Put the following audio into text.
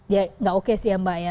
ya nggak oke sih ya mbak ya